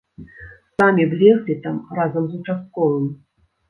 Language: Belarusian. Самі б леглі там разам з участковым.